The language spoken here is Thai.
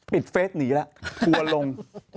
เฟสหนีแล้วทัวร์ลง